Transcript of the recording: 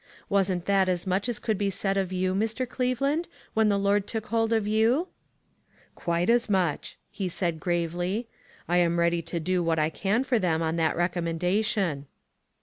Wasn't that as much as could be said of you, Mr. Cleveland, when the Lord took hold of you?" "Quite as much," he said gravely. "I am ready to do what I can for them on that recommendation."